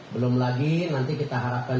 belum lagi nanti kita harapkan